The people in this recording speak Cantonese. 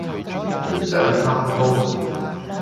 唔想返工